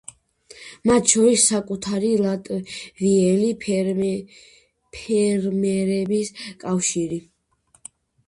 მათ შორის საკუთარი ლატვიელი ფერმერების კავშირი.